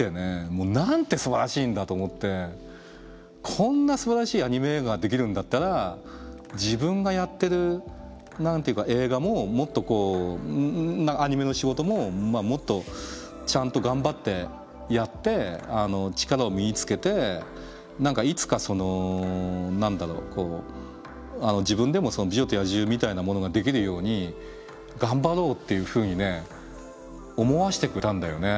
もうなんてすばらしいんだと思ってこんなすばらしいアニメ映画ができるんだったら自分がやってる映画ももっとこうアニメの仕事ももっとちゃんと頑張ってやって力を身につけていつかその自分でも「美女と野獣」みたいなものができるように頑張ろうっていうふうにね思わせてくれたんだよね。